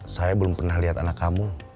saya belum pernah lihat anak kamu